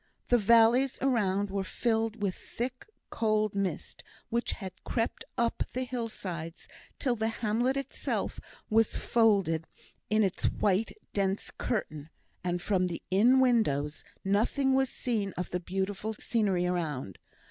The valleys around were filled with thick cold mist, which had crept up the hillsides till the hamlet itself was folded in its white dense curtain, and from the inn windows nothing was seen of the beautiful scenery around.